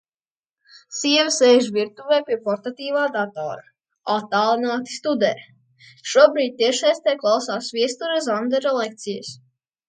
Sieva sēž virtuvē pie portatīvā datora, attālināti studē. Šobrīd tiešsaistē klausās Viestura Zandera lekcijas.